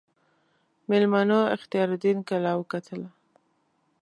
میلمنو اختیاردین کلا وکتله.